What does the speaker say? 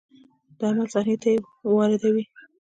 د عمل صحنې ته یې واردوي.